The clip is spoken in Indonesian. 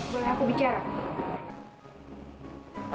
boleh aku bicara